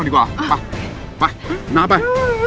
ไป